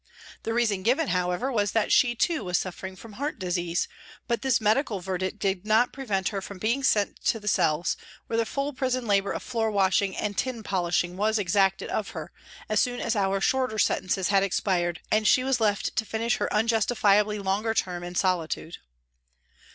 The reason given, however, was that she too was suffering from heart disease, but this medical verdict did not prevent her being sent to the cells, where the full prison labour of floor washing and tin polishing was exacted of her, as soon as our shorter sentences had expired and she was left to finish her unjustifiably longer term in solitude.